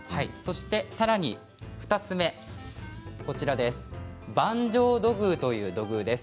さらに２つ目板状土偶という土偶です。